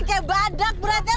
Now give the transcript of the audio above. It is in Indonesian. kayak badak beratnya tuh